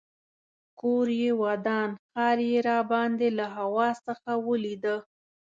کور یې ودان ښار یې راباندې له هوا څخه ولیده.